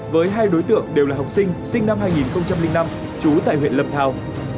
với hai đối tượng đều là học sinh sinh năm hai nghìn năm trú tại huyện lâm thao